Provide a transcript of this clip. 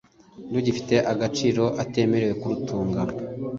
rugifite agaciro atakemerewe kurutunga